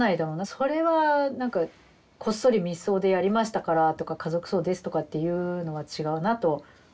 それはなんかこっそり密葬でやりましたからとか家族葬ですとかっていうのは違うなと思って。